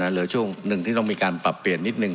เหลือช่วงหนึ่งที่ต้องมีการปรับเปลี่ยนนิดนึง